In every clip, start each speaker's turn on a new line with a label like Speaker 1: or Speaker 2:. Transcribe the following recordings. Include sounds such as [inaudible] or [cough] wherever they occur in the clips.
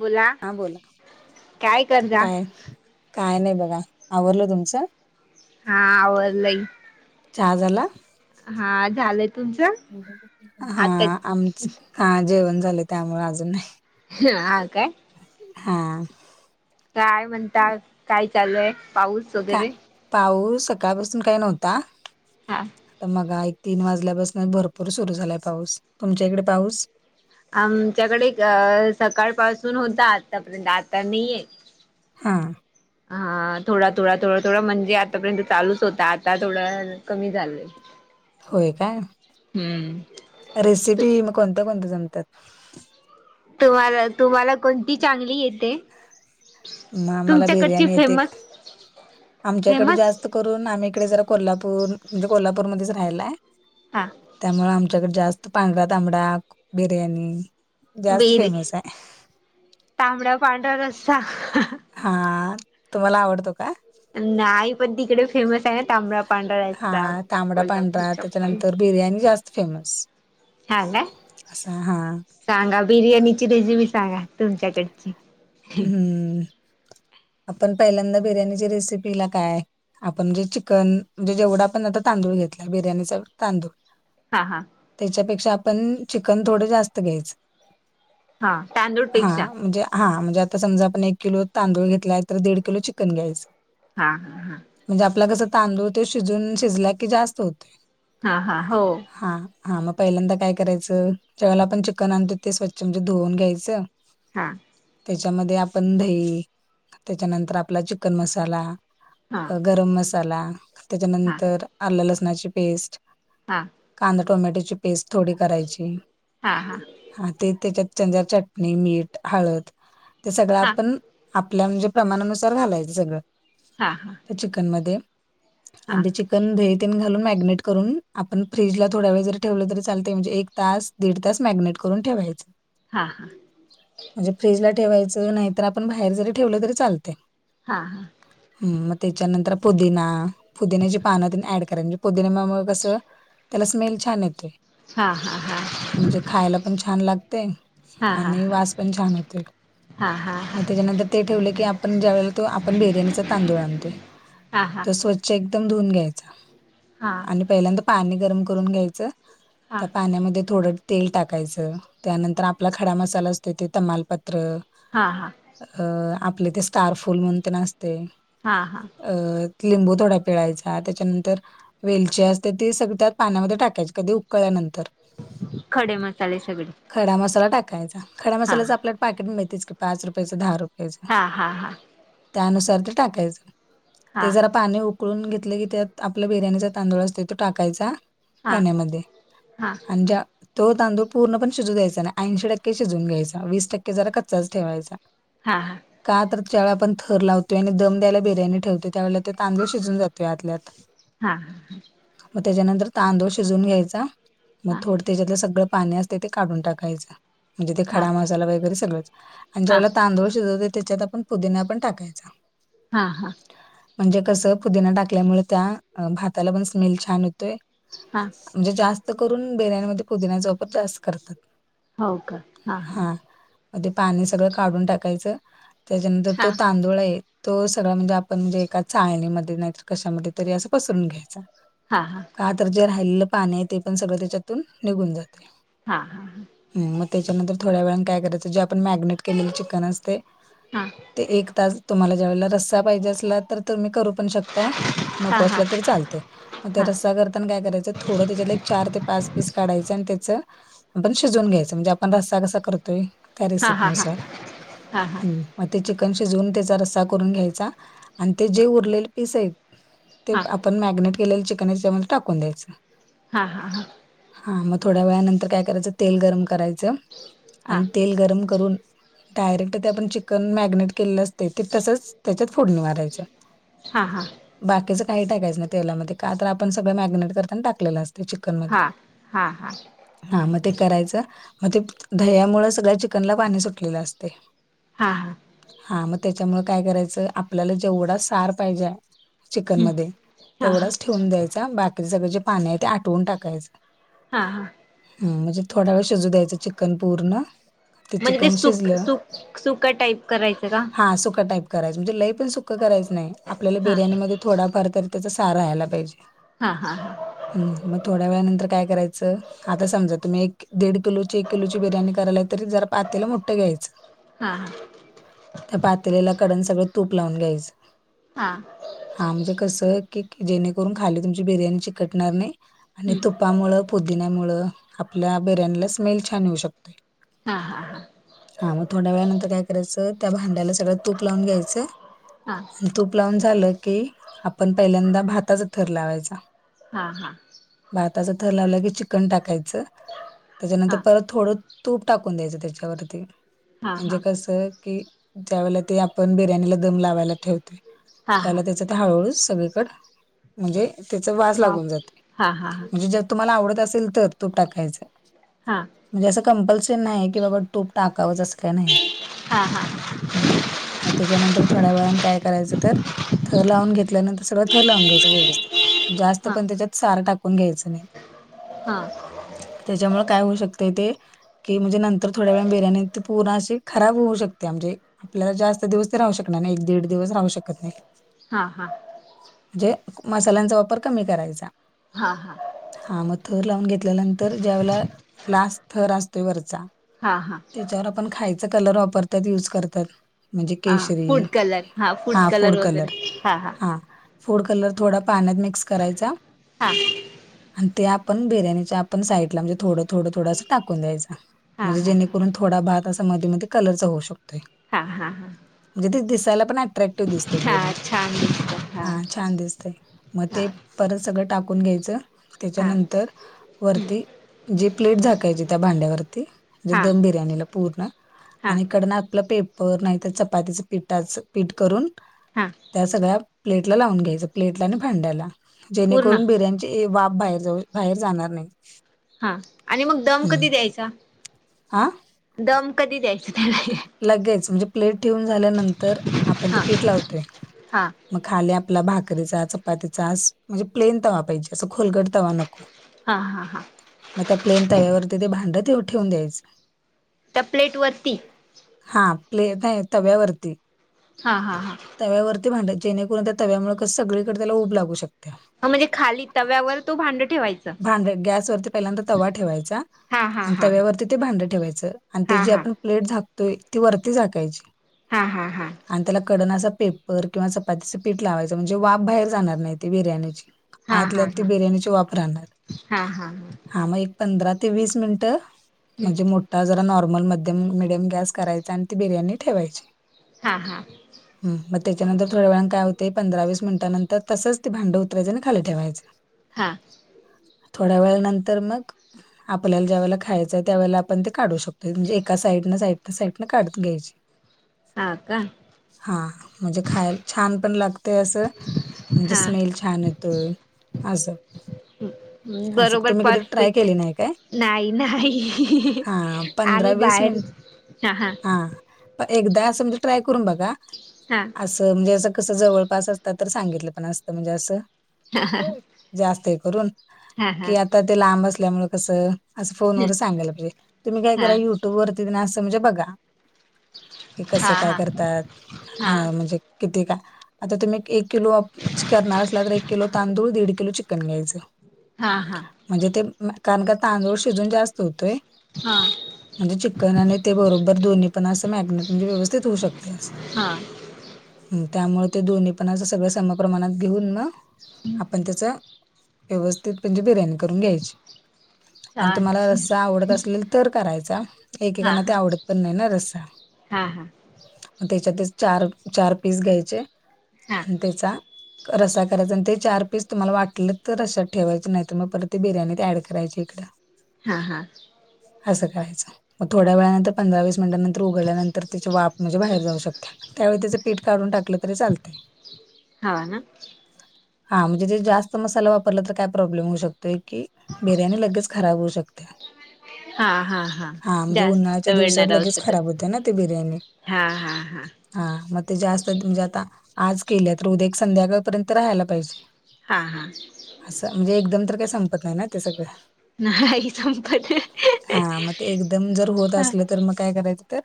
Speaker 1: बोला
Speaker 2: हा बोला
Speaker 1: काय करता
Speaker 2: काय काय नाही, बघा आवरल तुमचं?
Speaker 1: हा आवरलय की.
Speaker 2: चहा झाला
Speaker 1: झालंय तुमचं
Speaker 2: हा
Speaker 1: आता
Speaker 2: आमच हा जेवण झाले त्यामुळे अजून नाही.
Speaker 1: हा काय?
Speaker 2: हा.
Speaker 1: काय म्हणता काय चालूय पाऊस.
Speaker 2: का
Speaker 1: वगैरे
Speaker 2: पाऊस सकाळपासून काही नव्हता
Speaker 1: हा
Speaker 2: आता मग तीन वाजल्यापासून भरपूर सुरू झालाय पाऊस, तुमच्या इकडे पाऊस.
Speaker 1: आमच्याकडे अ सकाळपासून होता, आतापर्यंत आता नाहीय.
Speaker 2: हा.
Speaker 1: हा थोडा थोडा थोडा थोडा म्हणजे आतापर्यंत चालूच होता आता थोडं कमी झालंय. हा.
Speaker 2: होय काय.
Speaker 1: हम्म.
Speaker 2: रेसिपी मग कोणत्या कोणत्या जमतात?
Speaker 1: तुम्हाला, तुम्हाला कोणती चांगली येते?
Speaker 2: म आम्हाला
Speaker 1: तुमच्याकडची
Speaker 2: बिर्याणी येते एक,
Speaker 1: फेमस
Speaker 2: आमच्याकडे
Speaker 1: फेमस
Speaker 2: जास्त करून आम्ही इकडे जरा कोल्हापूर, म्हणजे कोल्हापूरमध्येच राहायला हाय.
Speaker 1: हा.
Speaker 2: त्यामुळे आमच्याकडे जास्त पांढरा -तांबडा, बिर्याणी जास्त
Speaker 1: बिर,
Speaker 2: फेमस आहे
Speaker 1: तांबडा पांढरा रस्सा.
Speaker 2: हा, तुम्हाला आवडतो का?
Speaker 1: नाही, पण तिकडे फेमस आहे ना तांबड -पांढरा‌ रस्सा,
Speaker 2: हां, तांबडा,
Speaker 1: कोल्हापुरी
Speaker 2: पांढरा
Speaker 1: चप्पल.
Speaker 2: त्याच्यानंतर बिर्याणी जास्त फेमस.
Speaker 1: हा काय,
Speaker 2: असा हां,
Speaker 1: सांगा बिर्याणीची रेसिपी सांगा, तुमच्याकडची.
Speaker 2: हम्म.
Speaker 1: [unintelligible]
Speaker 2: आपण पहिल्यांदा बिर्याणीच्या रेसिपीला काय आपण जे चिकन, म्हणजे जेवढा आपण आता तांदूळ घेतलाय, बिर्याणीचा तांदूळ
Speaker 1: हा हा
Speaker 2: त्याच्यापेक्षा आपण चिकन थोडं जास्त घ्यायचं.
Speaker 1: हा तांदूळ
Speaker 2: हा
Speaker 1: पेक्षा
Speaker 2: म्हणजे हा म्हणजे आत् ता समजा, आपण एक किलो तांदूळ घेतलाय तर दिड किलो चिकन घ्यायचं.
Speaker 1: हा हा.
Speaker 2: म्हणजे आपला कसं तांदूळ ते शिजून, शिजला की जास्त होतोय.
Speaker 1: हा हा, हो.
Speaker 2: हा हा मग पहिल्यांदा काय करायचं, ज्यावेळेला आपण चिकन आणतो, ते स्वच्छ म्हणजे धुवून घ्यायचं.
Speaker 1: हा
Speaker 2: त्याच्यामध्ये आपण दही, त्याच्यानंतर आपला चिकन मसाला
Speaker 1: हा
Speaker 2: अं गरम मसाला,
Speaker 1: हा
Speaker 2: त्याच्यानंतर आल्लं- लसणाची पेस्ट
Speaker 1: हा
Speaker 2: कांदा, टोमॅटोची पेस्ट थोडी करायची.
Speaker 1: हा हा हा
Speaker 2: हा ते त्याच्यात चच्या चटणी, मीठ, हळद ते सगळं
Speaker 1: हा
Speaker 2: आपण आपल्या म्हणजे प्रमाणानुसार घालायचं सगळं.
Speaker 1: हा हा
Speaker 2: चिकन मध्ये आणि ते चिक तेन दही तेन घालून मॅग्नेट करून, आपण फ्रीजला थोडा वेळ जर ठेवलं तरी चालते म्हणजे एक तास- दीड तास मॅगिनेट करून ठेवायचे.
Speaker 1: हा हा
Speaker 2: फ्रीजला ठेवायचं, नाहीतर आपण बाहेर जरी ठेवलं तरी चालतय.
Speaker 1: हा हा
Speaker 2: हम्म मग त्याच्यानंतर पुदिना, पुदिन्याची पानं तेन ऍड करायची म्हण पोदिन्यामुळं मा म कसं, त्याला स्मेल छान येतोय. म्हणजे खायला पण छान लागते
Speaker 1: हा हा
Speaker 2: आणि वास पण छान ये तोय
Speaker 1: हा हा हा
Speaker 2: मग
Speaker 1: हा
Speaker 2: त्याच्यानंतर ते ठेवलं की, आपण ज्यावेळेला आपण बिर्याणीचा तांदूळ आणतोय.
Speaker 1: ह हा
Speaker 2: चं एकदम धुवून घ्यायच आणि पहिल्यांदा पाणी गरम करून घ्यायचं त्या पाण्यामध्ये थोडं तेल टाकायचं, त्यानंतर आपला खडा मसाला असतोय ते तमाल पत्र
Speaker 1: हां हां.
Speaker 2: अ आपले ते स्टारफुल म्हणून तेन असतय
Speaker 1: हा हा.
Speaker 2: अ लिंबू थोडा पिळायचा त्याच्यानंतर वेलची असते ती सगळी त्यात पाण्यामध्ये टाकायची कधी उकळल्यानंतर.
Speaker 1: खडे मसाले सगळे.
Speaker 2: खडा मसाला टाकायचा, खडा
Speaker 1: हा
Speaker 2: मसाल्याच आपल्याला पाकीट मिळतेच की पाच रुपयाचं दहा रुपयाचं.
Speaker 1: हा हा हा.
Speaker 2: त्यानुसार ते टाकायचं
Speaker 1: हा
Speaker 2: ते जरा पाणी उकळून घेतलं की त्यात आपला बिर्याणीचा तांदूळ असतोय तो टाकायचा
Speaker 1: हा
Speaker 2: पाण्यामध्ये
Speaker 1: हा
Speaker 2: आणि ज्या तो तांदूळ पूर्ण पण शिजू द्यायचा आणि ऐंशी टक्के शिजवून घ्यायचा वीस टक्के जरा कच्चाच ठेवायचा.
Speaker 1: हा हा.
Speaker 2: का तर ज्यावेळी आपण थर लावतो आणि दम द्यायला बिर्याणी ठेवतोय त्यावेळेला ते तांदूळ शिजून जातोय आतल्या आत
Speaker 1: हा
Speaker 2: मग त्याच्यानंतर तांदूळ शिजून घ्यायचा मग
Speaker 1: हा
Speaker 2: थोडं त्याच्यातलं सगळं पाणी असते ते काढून टाकायचं म्हणजे ते
Speaker 1: हा
Speaker 2: खडा मसाला वगैरे सगळंच. आणि ज्या
Speaker 1: हा
Speaker 2: वेळेला तांदूळ शिजवतोय त्याच्यात आपण पुदिना पण टाकायचा.
Speaker 1: हा हा.
Speaker 2: म्हणजे कसं पुदिना टाकल्यामुळे त्या भाताला पण स्मेल छान येतोय.
Speaker 1: हा
Speaker 2: म्हणजे जास्त करून बिर्याणीमध्ये पुदिन्याचा वापर जास्त करतात.
Speaker 1: हो का. हा हा.
Speaker 2: म ते पाणी सगळं काढून टाकायचं त्याच्यानंतर
Speaker 1: हा
Speaker 2: तो तांदूळ आहे तो सगळा म्हणजे आपण म्हणजे एका चाळणीमध्ये नाहीतर कशामध्ये तरी असं पसरून घ्यायचा.
Speaker 1: हा हा.
Speaker 2: का तर जे राहिलेल पाणी आहे ते पण सगळं त्याच्यातून निघून जातय.
Speaker 1: हा हा.
Speaker 2: ह मग त्याच्यानंतर थोड्या वेळानं काय करायचं जे आपण मॅरीनेट केलेले चिकन असतय
Speaker 1: हा
Speaker 2: ते एक तास तुम्हाला ज्यावेळेला रस्सा पाहिजे असला तर तुम्ही करू [inaudible]
Speaker 1: हा
Speaker 2: नको
Speaker 1: हा
Speaker 2: असला तरी चाल मग
Speaker 1: हा
Speaker 2: रस्सा करताना काय करायच थोडं त्याच्यात एक चार ते पाच पीस काढायचं आणि त्याचं आपण शिजून घ्यायचं म्हणजे आपण रस्ता कसा करतोय त्या
Speaker 1: हा हा हा हा हा
Speaker 2: रेसिपीनुसार, हम्. मग ते चिकन शिजवून त्याचा रस्सा करून घ्यायचा आणि ते जे उरलेले पिस आहेत. ते
Speaker 1: हा
Speaker 2: आपण मॅगिनेट केलेलं चिकन याच्यामध्ये टाकून द्यायचं.
Speaker 1: हा हा हा.
Speaker 2: हा मग थोड्या वेळानंतर काय करायचं तेल गरम करायचं आणि तेल गरम करून डायरेक्ट ते आपण चिकन मॅगिनेट केलेलं असतय ते तसंच त्याच्यात फोडणी मारायच.
Speaker 1: हां हां.
Speaker 2: बाकीचं काही टाकायच नई तेलामध्ये का तर आपण सगळं मॅगिनेट करताना टाकलेलं असतय.
Speaker 1: हा. हा हा.
Speaker 2: हा मग ते करायचं मग ते दह्यामुळे सगळ्या चिकनला पाणी सुटलेलं असतय.
Speaker 1: हा हा.
Speaker 2: हा मग त्याच्यामुळे काय करायचं आपल्याला जेवढा सार पाहिजे
Speaker 1: हम्म
Speaker 2: चिकनमध्ये
Speaker 1: हा हा
Speaker 2: तेवढाच ठेवून द्यायचा बाकी सगळं जे पाणी आहे ते आठवून टाकायचं.
Speaker 1: हा हा
Speaker 2: ह म्हणजे थोडा वेळ शिजू द्यायचं चिकन पूर्ण ते
Speaker 1: म्हणजेच
Speaker 2: चिकन
Speaker 1: सुक
Speaker 2: शिजलं
Speaker 1: सुक सुक टाईप करायचं का?
Speaker 2: हा सुख टाईप करायचं. म्हणजे लय पण सुख करायच नाही. आपल्याला
Speaker 1: हा
Speaker 2: बिर्याणीध्ये थोडाफार तरी त्याचा सार राहायला पाहिजे.
Speaker 1: हा हा हा.
Speaker 2: हम्म. मग थोड्या वेळा नंतर काय करायचं? आता समजा, तुम्ही एक दीड किलो एक किलोची बिर्याणी करायला. तरी जरा पातेला मोठं घ्यायचं.
Speaker 1: हा हा.
Speaker 2: त्या पातील्याला कडन सगळं तूप लावून घ्यायचं.
Speaker 1: हा.
Speaker 2: हा म्हणजे कसं की, जेणेकरून खाली तुमची बिर्याणी चिकटणार नाही. आणि
Speaker 1: हम्म
Speaker 2: तुपामुळं, पुदिन्यामुळं आपल्या बिरयांनीला स्मेल छान येऊ शकतोय.
Speaker 1: हा हा हा.
Speaker 2: हा मग थोड्या वेळा नंतर काय करायचं. त्या भांड्याला सगळं तूप लावून घ्यायचं.
Speaker 1: हा
Speaker 2: आणि तूप लावून झालं की, आपण पहिल्यांदा भाताच थर लावायचा.
Speaker 1: हा हा.
Speaker 2: भाताचं थर लावलं की चिकन टाकायचं.
Speaker 1: हा
Speaker 2: त्याच्यानंतर परत थोडं तूप टाकून द्यायचं त्याच्यावरती.
Speaker 1: हा
Speaker 2: म्हणजे
Speaker 1: हा
Speaker 2: कसं की, त्यावेळेला ते आपण बिर्याणीला दम लावायला ठेवतोय.
Speaker 1: हा
Speaker 2: त्याला
Speaker 1: हा
Speaker 2: तेच हळूहळू सगळीकड, म्हणजे त्याचा वास
Speaker 1: वाव
Speaker 2: लागून जाते.
Speaker 1: हा हा हा
Speaker 2: म्हणजे तुमला आवडत असेल तर त टाकाय.
Speaker 1: हा
Speaker 2: म्हणजे अस कंपल्सेन नाही की बाबा तूप टाकावंच. असं काय नाही.
Speaker 1: हा हा.
Speaker 2: हम्म मग त्याच्यानंतर थोड्या वेळान काय करायचं तर थर लावून घेतल्यानंतर. सगळ थर लाव घ्यायचं व्यवस्थित. जास्त
Speaker 1: हा
Speaker 2: पण त्याच्यात सारं टाकून घ्यायचं नाही.
Speaker 1: हा.
Speaker 2: त्याच्यामुळे काय होऊ शकते ते की म्हणजे नंतर थोड्या वेळा बिर्याणी पूर्ण ते अशी खराब होऊ शकतेया. म्हणजे आपल्याला जास्त दिवस ते राहू शकणार नाही. एक दीड दिवस राहू शकत नाही.
Speaker 1: हा हा.
Speaker 2: म्हणजे मसाल्यांचा वापर कमी करायचा.
Speaker 1: हा हा.
Speaker 2: हा म थर लावून घेतल्यानंतर ज्यावेळेला, लास्ट थर असतोय वरचा.
Speaker 1: हा हा हा
Speaker 2: त्याच्यावर आपण खायचा कलर वापरतात. युज करतात. म्हणजे केशरी. हा फूड कलर. हा. फूड कलर थोडा पाण्यात मिक्स करायचा.
Speaker 1: हां.
Speaker 2: अण ते आपण, बिर्याणीच्या आपण साईटला म्हणजे थोडं थोडं थोडं असं टाकून द्यायचं.
Speaker 1: हा
Speaker 2: म्हणजे
Speaker 1: हा
Speaker 2: जेणेकरून थोडा भात असा मध्ये मध्ये कलरचा होऊ शकतोय.
Speaker 1: हां हां ह.
Speaker 2: म्हणजे ते दिसायला पण अट्रॅक्टिव दिसते पूर्ण.
Speaker 1: हा छान दिसत
Speaker 2: हा छान दिसते. म
Speaker 1: हा
Speaker 2: ते परत सगळं टाकून घ्यायचं.
Speaker 1: हा
Speaker 2: त्याच्यानंतर वरती जे प्लेट झाकायची त्या भांड्यावरती. म्हणजे
Speaker 1: हा
Speaker 2: दम बिर्याणीला पूर्ण.
Speaker 1: हा
Speaker 2: आणि कडन आपलं पेपर. नाही तर चपातीचं पीठाचं पीठ करून
Speaker 1: हा
Speaker 2: त्या सगळ्या प्लेटला लावून घ्यायच. प्लेटला आणि भांड्याला.
Speaker 1: पूर्ण
Speaker 2: जेणेकरून बिर्याणी ते वाफ बाहेर जाऊ बाहेर जाणार नाही.
Speaker 1: हा आणि मग दम कधी द्यायचा.
Speaker 2: आ
Speaker 1: दम कधी द्यायच त्याला
Speaker 2: लगेच म्हणजे प्लेट ठेऊून झाल्यानंतर आपण ते
Speaker 1: हा
Speaker 2: पीठ लावतोय.
Speaker 1: हा
Speaker 2: मग खाली आपला भाकरीचा चपातीचा म्हणजे प्लेन तवा पाहिजे असं खोलगट तवा नको.
Speaker 1: हां हां हां.
Speaker 2: मग त्या प्लेन तव्यावरती ते भांडं तेव ठेवून द्यायचं.
Speaker 1: त्या प्लेटवररती
Speaker 2: हा प्ले नाही तव्यावरती
Speaker 1: हा हा हा.
Speaker 2: तव्यावरती भांडत जेणेकरून त्या तव्यामुळे कस सगळीकडे त्याला ऊब लागू शकते.
Speaker 1: ह म्हणजे खाली तव्यावर तो भांड ठेवायच.
Speaker 2: भांड गॅसवररती पहिल्यांदा तवा ठेवायचा.
Speaker 1: हा हा
Speaker 2: आणि
Speaker 1: हा हा
Speaker 2: तव्यावरती ते भांड ठेवायचं. आणि ते
Speaker 1: हा
Speaker 2: जी
Speaker 1: हा
Speaker 2: आपण प्लेट झाकतोय ती वरती झाकायची.
Speaker 1: हा हा हा.
Speaker 2: आणि त्याला कडन असा पेपर किंवा चपातीचं पीठ लावायचं म्हणजे वाफ बाहेर जाणार नाही ते बिर्याणीची.
Speaker 1: हा हा
Speaker 2: आतल्यात ते बिर्याणीचा वाफ राहणार.
Speaker 1: हा हा हा.
Speaker 2: हा मग एक पंधरा ते वीस मिनिटं
Speaker 1: हम्म
Speaker 2: म्हणजे मोठ जरा नॉर्मल मध्यम मि डियम गॅस करायचा आणि ती बिर्याणी ठेवायची.
Speaker 1: हा हा.
Speaker 2: ह मग त्याच्यानंतरथड्या वेळाला काय होते पंधरावीस मिनिटांंतर तसंच ते भांड उतरायच आणि खाली ठेवायचं.
Speaker 1: हा.
Speaker 2: थोड्या वेळ नंतर मग आपल्याला ज्या वळेला खायचंय त्यावेळेला आपण ते काढू शकतो म्हणजे एका साईड ना साईड साईड काढून घ्यायची.
Speaker 1: हा का.
Speaker 2: हा म्हणजे खायला छान पण लागते असं म्हणजे
Speaker 1: हा
Speaker 2: स्मेल छान येतोय असं. असं
Speaker 1: बरोबर
Speaker 2: तुम्ही कधी ट्राय
Speaker 1: परफेक्ट
Speaker 2: केली नाही काय?
Speaker 1: नाही नाही
Speaker 2: हा
Speaker 1: आम्ही
Speaker 2: पंधरा वीस
Speaker 1: बाहेर
Speaker 2: मिनिट
Speaker 1: हा हा.
Speaker 2: एकदा असं म्हणजे ट्राय करून बघा.
Speaker 1: हा.
Speaker 2: असं म्हणजे असं कसं जवळपास असतात तर सांगितलं पण असतं म्हणजे असं. जास्त करून
Speaker 1: हा हा
Speaker 2: कि आता ते लांब असल्यामुळे कसं. असं फोनवर सांगायला पाहिजे तुम्ही काय
Speaker 1: हा
Speaker 2: करा
Speaker 1: हा
Speaker 2: युट्यूब वरती ना असं म्हणजे बघा. कि कसं
Speaker 1: हा
Speaker 2: काय
Speaker 1: हा
Speaker 2: करतात अ म्हणजे किती काय आता तुम्ही एक किलो करणार असला तर एक किलो तांदूळ दीड किलो चिकन घ्यायचं.
Speaker 1: हा
Speaker 2: म्हणजे ते कारण का तांदूळ शिजून जास्त होतोय.
Speaker 1: हा.
Speaker 2: म्हणजे चिकन आणि ते बरोबर दोन्ही पण असं मॅग्नेट म्हणजे व्यवस्थित होऊ शकते असं.
Speaker 1: हां.
Speaker 2: त्यामुळे ते दोन्ही पणा अस सगळं सम प्रमाणात घेऊन मग आपण त्याच व्यवस्थित म्हणजे बिर्याणी करून घ्यायची. आणि
Speaker 1: छान
Speaker 2: तुम्हाला रस्सा आवडत असेल तर करायचा.
Speaker 1: हा
Speaker 2: एकेकांना ते
Speaker 1: हा
Speaker 2: आवडत पण नाही ना, रस्सा.
Speaker 1: हा हा.
Speaker 2: अन त्याच्यातच चार-चार पीस घ्यायचे
Speaker 1: हा
Speaker 2: आणि त्याचा रस्सा करायचा, आणि ते चार पीस तुम्हाला वाटलं तर रश्यात ठेवायचे, नाही तर मग परत ते बिर्याणीत ऍड करायचे इकडं.
Speaker 1: हा हा.
Speaker 2: असं करायचं. मग थोड्या वेळानंतरं, पंधरा-वीस मिनिटानंतर उघडल्यानंतर त्याची वाफ म्हणजे बाहेर जाऊ शकते. त्यावेळी त्याचं पीठ काढून टाकलं तरी चालतंय.
Speaker 1: हा, ना?
Speaker 2: हा, म्हणजे ते जास्त मसाला वापरला तर, काय प्रॉब्लेम होऊ शक की, बिर्याणी लगेच खराब होऊ शकते.
Speaker 1: हा हा
Speaker 2: हा म्हणजे,
Speaker 1: जास्त
Speaker 2: उन्हाळ्याच्या
Speaker 1: वेळ नाही
Speaker 2: दिवसात
Speaker 1: राहू
Speaker 2: लगेच
Speaker 1: शकत
Speaker 2: खराब होते ना, ती बिर्याणी.
Speaker 1: हा हा हा.
Speaker 2: हा, मग ते जास्त, म्हणजे आता आज केली आहे, तर उद्या एक संध्याकाळपर्यंत राहायला पाहिजे.
Speaker 1: हा हा!
Speaker 2: असं, म्हणजे एकदम तर काही संपत नाही ना, ते सगळं?
Speaker 1: नाही संपत.
Speaker 2: हा, मग ते एकदम जर होत
Speaker 1: हा
Speaker 2: असलं तर मग काय करायचं? तर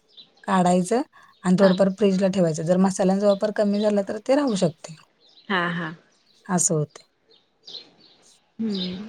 Speaker 2: काढायचं आणि
Speaker 1: हा
Speaker 2: थोडंफार फ्रीजला ठेवायच, जर मसाल्यांचा वापर कमी झाला तर ती राहू शकती.
Speaker 1: हा हा.
Speaker 2: असं होते.
Speaker 1: हम्म